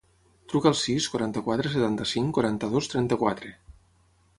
Truca al sis, quaranta-quatre, setanta-cinc, quaranta-dos, trenta-quatre.